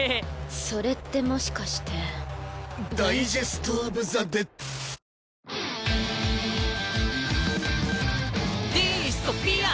それってもしかしてダイジェストオブザデッディストピア